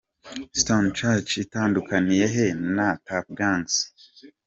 Stone Church itandukaniye he na Tuff Gangz?.